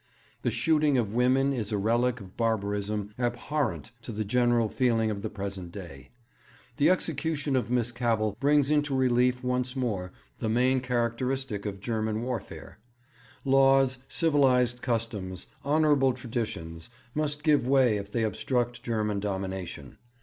The shooting of women is a relic of barbarism abhorrent to the general feeling of the present day. The execution of Miss Cavell brings into relief once more the main characteristic of German warfare. Laws, civilized customs, honourable traditions, must give way if they obstruct German domination.